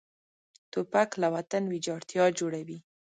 توپک له وطن ویجاړتیا جوړوي.